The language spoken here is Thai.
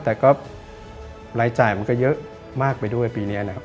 แต่ก็รายจ่ายมันก็เยอะมากไปด้วยปีนี้นะครับ